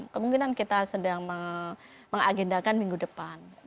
kemungkinan kita sedang mengagendakan minggu depan